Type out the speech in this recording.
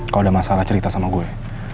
kalau ada masalah cerita sama gue